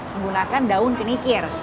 menggunakan daun kenikir